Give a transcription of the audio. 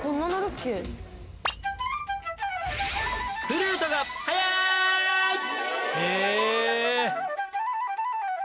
［フルートがはやい！］